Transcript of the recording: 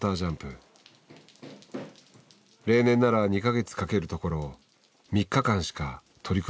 例年なら２か月かけるところを３日間しか取り組めていなかった。